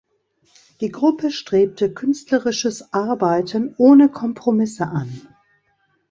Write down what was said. Die Gruppe strebte künstlerisches Arbeiten ohne Kompromisse an.